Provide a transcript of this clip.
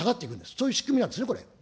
そういう仕組みなんですね、これ。